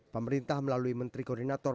pemerintah melalui menteri koordinator